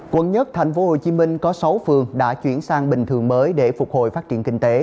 quận nhất thành phố hồ chí minh có sáu phường đã chuyển sang bình thường mới để phục hồi phát triển kinh tế